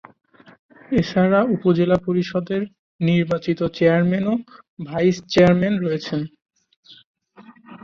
এছাড়া উপজেলা পরিষদের নির্বাচিত চেয়ারম্যান ও ভাইস-চেয়ারম্যান রয়েছেন।